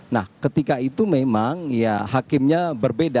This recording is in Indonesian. nah ketika itu memang ya hakimnya berbeda